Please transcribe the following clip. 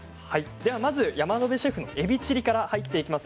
まず山野辺シェフのえびチリから入っていきます。